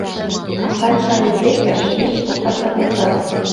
А Санька ден Петька шеҥгечын поктат да поктат.